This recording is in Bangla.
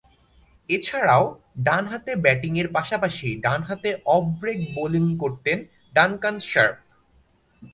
এছাড়াও, ডানহাতে ব্যাটিংয়ের পাশাপাশি ডানহাতে অফ ব্রেক বোলিং করতেন ডানকান শার্প।